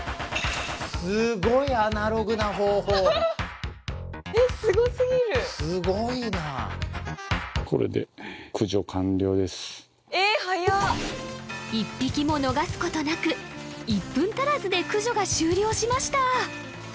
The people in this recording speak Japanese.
すごいアナログな方法えっすごすぎるすごいなえっ早っ１匹も逃すことなく１分足らずで駆除が終了しました